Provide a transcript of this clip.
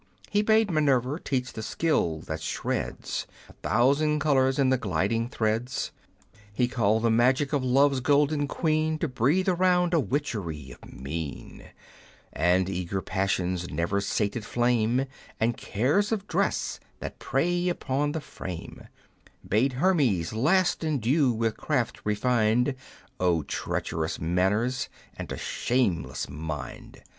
He bade Minerva teach the skill that sheds A thousand colours in the gliding threads ; He calPd the magic of love's golden queen To breathe around a witchery of mien, And eager passion's never sated flame, And cares of dress that prey upon the frame ; Bade Hermes last endue, with craft refined Of treacherous manners, and a shameless mind."